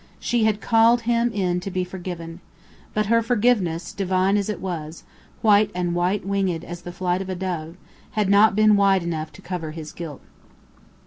She had called him in to be forgiven. But her forgiveness, divine as it was, white and wide winged as the flight of a dove had not been wide enough to cover his guilt.